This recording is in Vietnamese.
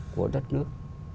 của đất nước